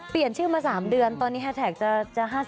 เปลี่ยนชื่อมา๓เดือนตอนนี้แฮสแท็กจะ๕๐